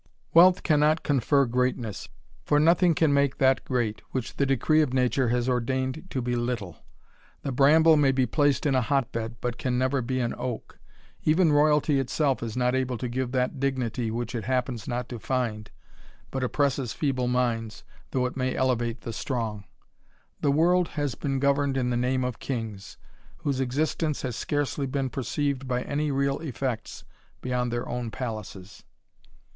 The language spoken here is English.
Wealth cannot confer greatness, for nothing can make that great, which the decree of nature has ordained to be little. The bramble may be placed in a hot bed, but can never be an oak. Even royalty itself is not able to give that dignity which it happens not to find, but oppresses feeble minds, though it may elevate the strong. The world has been governed in the name of kings, whose existence has scarcely been perceived by any real effects beyond their own palaces.